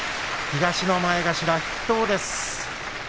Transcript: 東の前頭筆頭です。